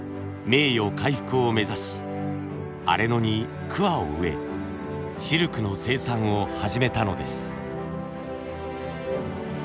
名誉回復を目指し荒れ野に桑を植えシルクの生産を始めたのです。